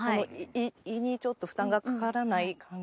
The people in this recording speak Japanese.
胃にちょっと負担がかからない感じで。